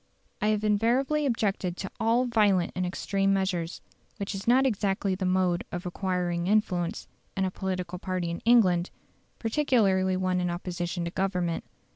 I have invariably objected to all violent and extreme measures, which is not exactly the mode of acquiring influence in a political party in England, particularly one in opposition to Government.